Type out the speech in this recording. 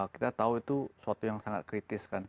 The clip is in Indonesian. kita tahu itu suatu yang sangat kritis kan